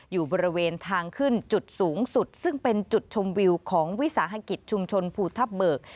อยู่บริเวณทางขึ้นจุดสูงสุดซึ่งเป็นจุดชมวิวของวิสาหกิจชุมชนภูทับเบิก